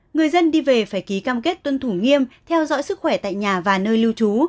người dân đi về phải ký cam kết tuân thủ nghiêm theo dõi sức khỏe tại nhà và nơi lưu trú